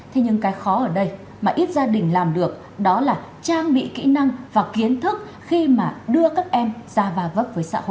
thế nhưng cái khó ở đây mà ít gia đình làm được đó là trang bị kỹ năng và kiến thức khi mà đưa các em ra va vấp với xã hội